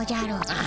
あ。